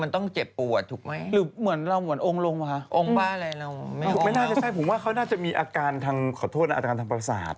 ไม่น่าจะใช่ผมว่าเขาน่าจะมีอาการทางขอโทษนะอาการทางปราศาสตร์